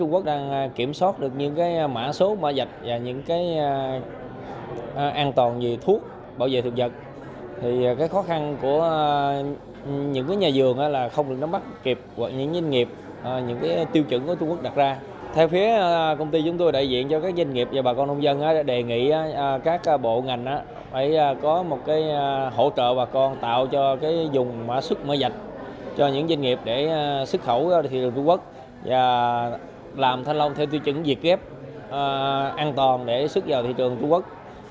và làm thanh long theo tiêu chứng diệt ghép an toàn để xuất vào thị trường trung quốc